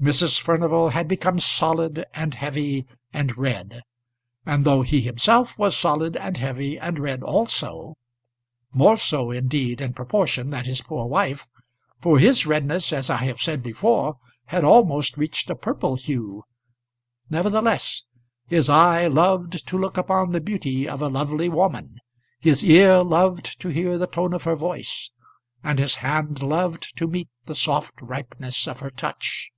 Mrs. Furnival had become solid, and heavy, and red; and though he himself was solid, and heavy, and red also more so, indeed, in proportion than his poor wife, for his redness, as I have said before, had almost reached a purple hue; nevertheless his eye loved to look upon the beauty of a lovely woman, his ear loved to hear the tone of her voice, and his hand loved to meet the soft ripeness of her touch.